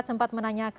terima kasih banyak